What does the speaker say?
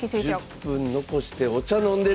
１０分残してお茶飲んでる！